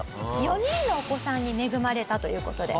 ４人のお子さんに恵まれたという事で。